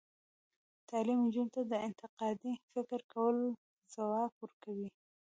تعلیم نجونو ته د انتقادي فکر کولو ځواک ورکوي.